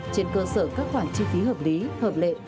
trên cơ sở các khoản chi phí hợp lý hợp lệ